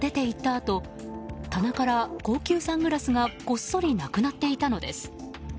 あと棚から高級サングラスがごっそりなくなっていたのです。